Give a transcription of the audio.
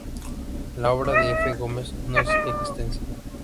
La obra de Efe Gómez no es extensa.